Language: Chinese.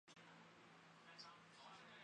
在公会高级成员雷文。